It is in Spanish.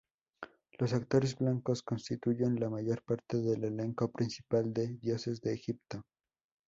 Los actores blancos constituyen la mayor parte del elenco principal de "Dioses de Egipto".